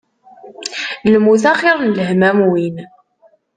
Lmut axir n lhemm am win.